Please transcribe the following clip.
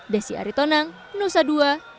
desi aritonang nusa duwari